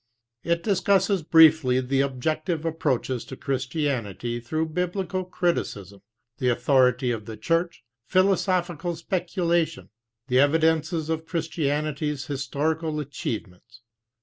It discusses briefly the objective approaches to Christianity through biblical criticism, the authority of the Church, philosophical specula tion, the evidences of Christianity's historical achievements.